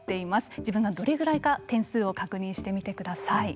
自分がどれぐらいか点数を確認してみてください。